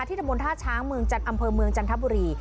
ที่ตำรวจท่าช้างเมืองอำเภอเมืองจันทบุรี